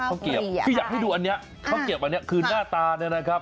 เกียบคืออยากให้ดูอันนี้ข้าวเกียบอันนี้คือหน้าตาเนี่ยนะครับ